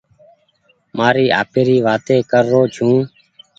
مآري آپيري وآتي ڪي رو ڇون.